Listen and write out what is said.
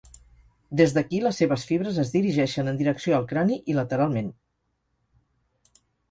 Des d'aquí les seves fibres es dirigeixen en direcció al crani i lateralment.